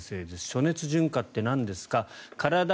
暑熱順化ってなんですか。